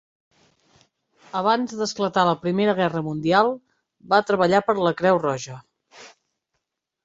Abans d'esclatar la Primera Guerra Mundial, va treballar per a la Creu Roja.